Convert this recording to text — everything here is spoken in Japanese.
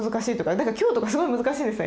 だから今日とかすごい難しいんですよ。